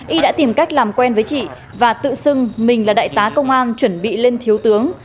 y đã tìm cách làm quen với chị và tự xưng mình là đại tá công an chuẩn bị lên thiếu tướng